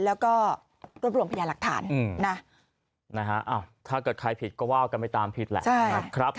แล้วก็รวบรวมพยาหลักฐานนะถ้าเกิดใครผิดก็ว่ากันไปตามผิดแหละนะครับ